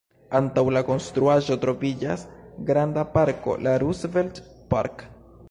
Antaŭ la konstruaĵo troviĝas granda parko, la „Roosevelt Park”.